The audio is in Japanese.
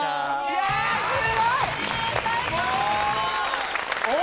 いやすごい！